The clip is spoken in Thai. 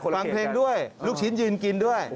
ฟังเพลงด้วยลูกชิ้นยืนกินด้วย